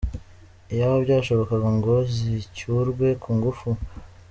Iyaba byashobokaga ngo zicyurwe ku ngufu.